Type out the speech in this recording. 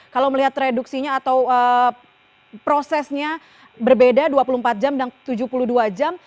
kalau melihat reduksinya atau prosesnya berbeda dua puluh empat jam dan tujuh puluh dua jam